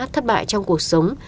thất bại trong cuộc sống